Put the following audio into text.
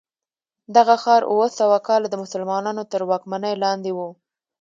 دغه ښار اوه سوه کاله د مسلمانانو تر واکمنۍ لاندې و.